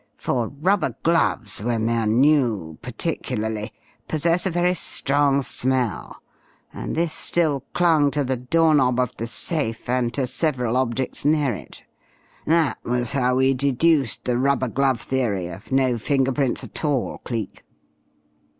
For rubber gloves, when they are new, particularly, possess a very strong smell, and this still clung to the door knob of the safe, and to several objects near it. That was how we deduced the rubber glove theory of no finger prints at all, Cleek."